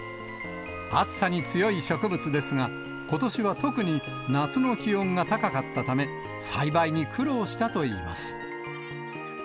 暑さに強い植物ですが、ことしは特に夏の気温が高かったため、栽培に苦労したといいます。